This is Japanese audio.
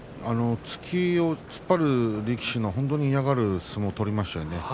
突きを突っ張る力士が本当に嫌がる相撲を取りましたね。